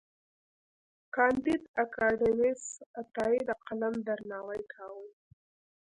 کانديد اکاډميسن عطايي د قلم درناوی کاوه.